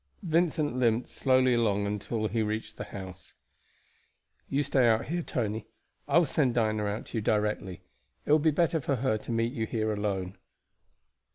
Vincent limped slowly along until he reached the house. "You stay out here, Tony. I will send Dinah out to you directly. It will be better for her to meet you here alone."